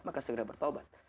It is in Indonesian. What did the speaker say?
maka segera bertobat